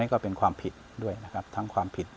ก็เป็นความผิดด้วยนะครับ